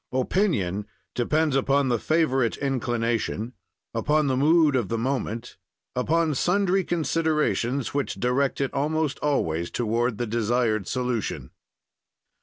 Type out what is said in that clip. "Opinion depends upon the favorite inclination, upon the mood of the moment, upon sundry considerations, which direct it almost always toward the desired solution.